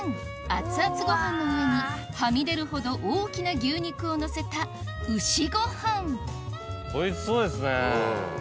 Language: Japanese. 熱々ご飯の上にはみ出るほど大きな牛肉をのせた牛ご飯おいしそうですね。